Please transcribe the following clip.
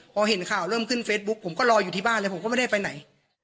พอเห็นข่าวเริ่มขึ้นเฟซบุ๊กผมก็รออยู่ที่บ้านเลยผมก็ไม่ได้ไปไหน